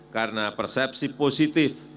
karena persepsi positif atau kemampuan